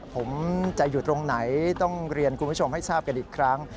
ผมจะอยู่ตรงไหนต้องเรียนคุณผู้ชมให้ทราบกันอีกครั้ง